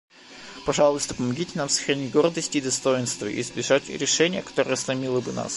Пожалуйста, помогите нам сохранить гордость и достоинство и избежать решения, которое сломило бы нас.